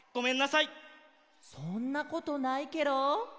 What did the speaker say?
そんなことないケロ。